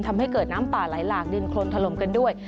ทำให้เกิดน้ำป่าไหลหลากดินโครนถล่มกันด้วย